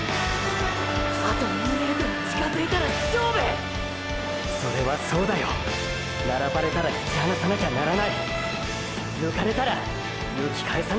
「あと２ｍ近づいたら勝負」それはそうだよ並ばれたら引き離さなきゃならない抜かれたら抜き返さなきゃならない！！